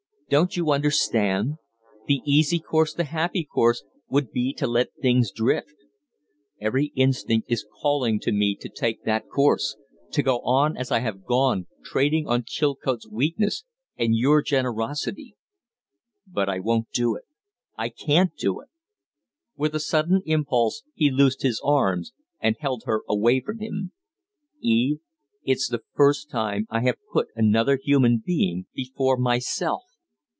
Don't you understand? The easy course, the happy course, would be to let things drift. Every instinct is calling to me to take that course to go on as I have gone, trading on Chilcote's weakness and your generosity. But I won't do it! I can't do it!" With a swift impulse he loosed his arms and held her away from him. "Eve, it's the first time I have put another human being before myself!"